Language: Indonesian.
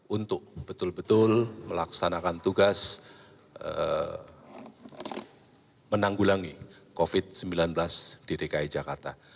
untuk betul betul melaksanakan tugas menanggulangi covid sembilan belas di dki jakarta